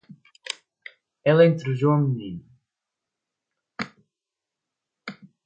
Ela intrujou a menina.